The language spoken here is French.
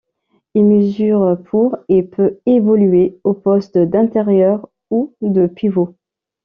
Il mesure pour et peut évoluer aux postes d'intérieur ou de pivot.